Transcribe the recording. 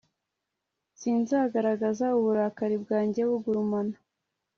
sinzagaragaza uburakari bwanjye bugurumana